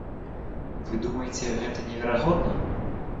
Вы думаеце, гэта неверагодна?